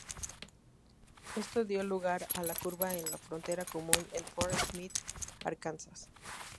Esto dio lugar a la curva en la frontera común en Fort Smith, Arkansas.